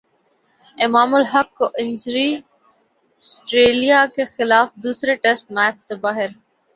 امام الحق کو injury Australia کے خلاف دوسرے ٹیسٹ میچ سے باہر